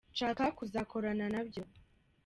nshaka kuzakorana nabyo.